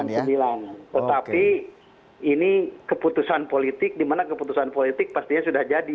jadi ini keputusan politik dimana keputusan politik pastinya sudah jadi